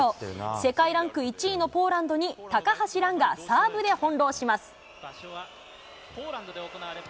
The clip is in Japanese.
世界ランク１位のポーランドに、高橋藍がサーブで翻弄します。